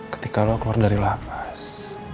ketika lo keluar dari lapas